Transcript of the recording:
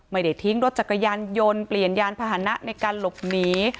ไม่ได้ทิ้งรถจักรยานยนต์เปลี่ยนยานพาหนะในการหลบหนี